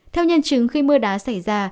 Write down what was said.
theo nhân chứng khi mưa đá xảy ra